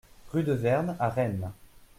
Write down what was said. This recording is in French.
Rue de Vern à Rennes